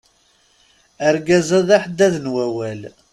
Argaz-a, d aḥeddad n wawal.